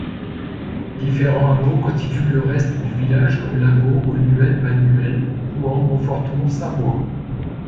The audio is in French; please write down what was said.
Différents hameaux constituent le reste du village comme Lavaud, Haut-Nueil, Bas-Nueil, Pouant, Mont-Forton, Savoie...